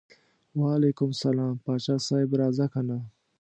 وعلیکم السلام پاچا صاحب راځه کنه.